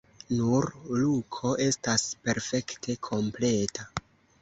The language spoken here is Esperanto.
Nur Luko estas perfekte kompleta.